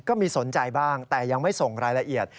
ก็มีสนใจบ้างแต่ยังไม่ส่งรายละเอียด